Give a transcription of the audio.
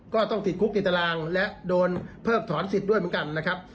ก็ต้องติดคุกติดตารางและโดนเพิกถอนสิทธิ์ด้วยเหมือนกันนะครับ